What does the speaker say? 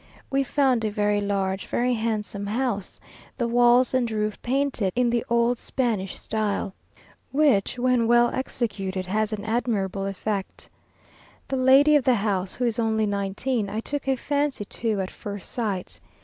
We found a very large, very handsome house, the walls and roof painted in the old Spanish style, which, when well executed, has an admirable effect. The lady of the house, who is only nineteen, I took a fancy to at first sight.